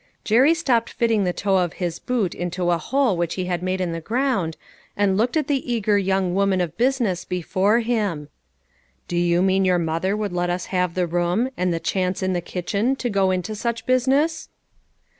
Jerry stopped fitting the toe of his boot to s/ hole which he had made in the ground, and looked at the eager young woman of business before him. " Do you mean your mother would let us have the room, and the chance in the kitchen, to go into such business